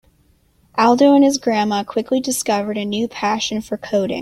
Aldo and his grandma quickly discovered a new passion for coding.